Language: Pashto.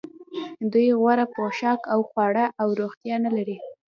دوی غوره پوښاک او خواړه او روغتیا نلري